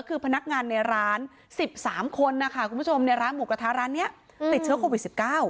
คือพนักงานในร้าน๑๓คนนะคะคุณผู้ชมในร้านหมูกระทะร้านนี้ติดเชื้อโควิด๑๙